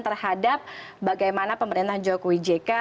terhadap bagaimana pemerintah joko widjeka